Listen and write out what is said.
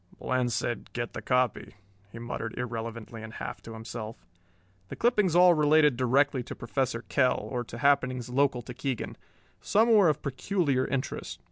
"Bland said, 'Get the copy'," he muttered irrelevantly and half to himself. The clippings all related directly to Professor Kell or to happenings local to Keegan. Some were of peculiar interest.